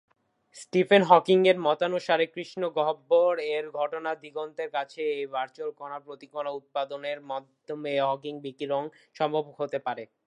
Stephen হকিংয়ের মতানুসারে, কৃষ্ণগহ্বর এর ঘটনা দিগন্তের কাছে এই ভার্চুয়াল কনা-প্রতিকনা উৎপাদনের মাধ্যমে হকিং বিকিরণ সম্ভব হতে পারে।